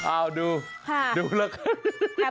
อ้าวดูดูละครับ